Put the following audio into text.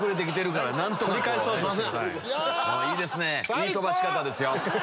いい飛ばし方ですよ。